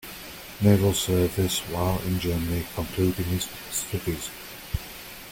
Naval service while in Germany concluding his studies.